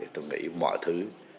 tôi nghĩ mọi thứ